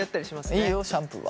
いいよシャンプーは。